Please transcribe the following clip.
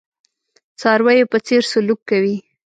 څارویو په څېر سلوک کوي.